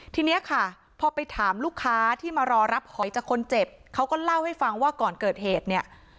ทีนี้ค่ะพอไปถามลูกค้าที่มารอรับหอยจากคนเจ็บเขาก็เล่าให้ฟังว่าก่อนเกิดเหตุเนี่ย